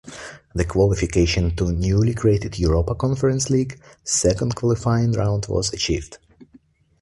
The qualification to the newly created Europa Conference League second qualifying round was achieved.